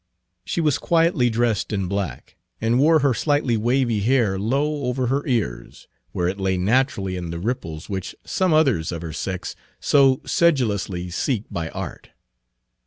She was quietly dressed in black, and wore her slightly wavy hair low over her ears, where it lay naturally in the ripples which some others of her sex so sedulously seek by art.